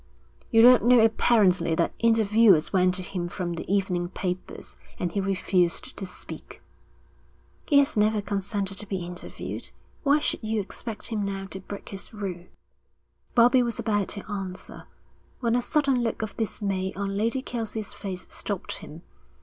'You don't know apparently that interviewers went to him from the evening papers, and he refused to speak.' 'He has never consented to be interviewed. Why should you expect him now to break his rule?' Bobbie was about to answer, when a sudden look of dismay on Lady Kelsey's face stopped him.